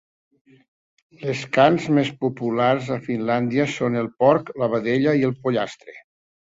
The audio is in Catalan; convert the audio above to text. Les carns més populars a Finlàndia són el porc, la vedella i el pollastre.